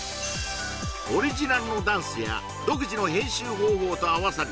オリジナルのダンスや独自の編集方法と合わさり